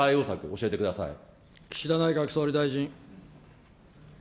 教岸田内閣総理大臣。